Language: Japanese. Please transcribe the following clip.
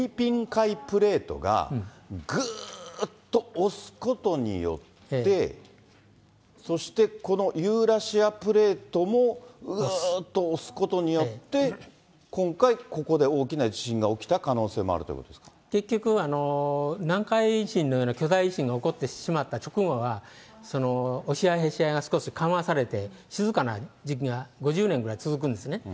つまり、今回ね、フィリピン海プレートが、ぐーっと押すことによって、そしてこのユーラシアプレートもうーっと押すことによって、今回、ここで大きな地震が起きた可能性もあるということで結局、南海地震のような巨大地震が起こってしまった直後は、押し合い、へし合いが少し緩和されて、静かな時期が５０年ぐらい続くんですね。